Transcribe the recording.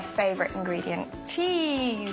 チーズ！